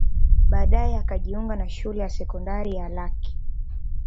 Baadae akajiunga na shule ya sekondari ya Lake